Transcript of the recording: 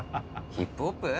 ヒップホップ？